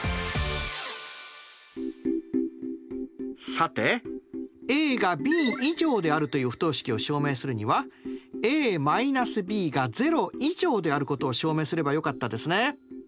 さてＡがＢ以上であるという不等式を証明するにはＡ−Ｂが０以上であることを証明すればよかったですね。